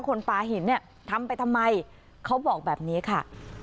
คนปลาหินเนี่ยทำไปทำไมเขาบอกแบบนี้ค่ะ